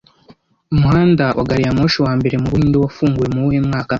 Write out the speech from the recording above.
Umuhanda wa gari ya moshi wambere mubuhinde wafunguwe muwuhe mwaka